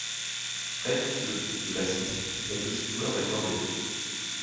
Fred Pisoni, le bassiste, est aussi joueur d'accordéon.